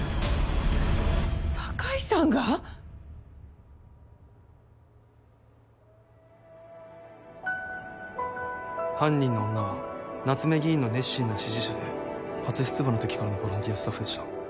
坂居さんが⁉犯人の女は夏目議員の熱心な支持者で初出馬の時からのボランティアスタッフでした。